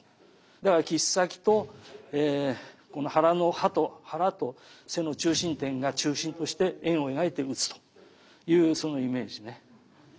だから切先とこの腹と背の中心点が中心として円を描いて打つというそのイメージね。